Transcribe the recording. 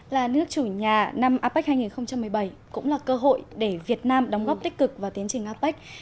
là nước chủ nhà năm apec hai nghìn một mươi bảy cũng là cơ hội để việt nam đóng góp tích cực vào tiến trình apec